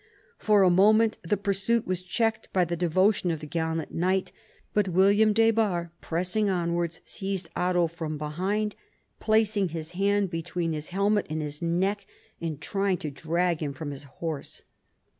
For a moment the pursuit was checked by the devotion of the gallant knight, but William des Barres, pressing onwards, seized Otto from behind, placing his hand between his helmet and his neck and trying to drag him from his horse.